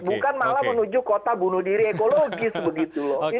bukan malah menuju kota bunuh diri ekologis begitu loh